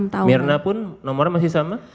lima enam tahun myrna pun nomornya masih sama